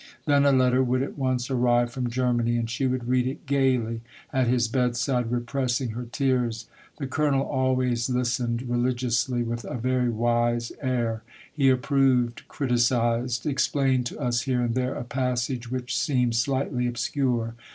Then a letter would at once arrive from Germany, and she would read it gayly at his bedside, repressing her tears. The colonel always listened religiously, with a very wise air ; he approved, criticised, ex plained to us here and there a passage which seemed slightly obscure.